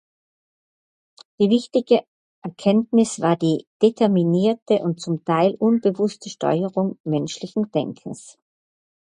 Eine wichtige Erkenntnis war die determinierte und zum Teil unbewusste Steuerung menschlichen Denkens.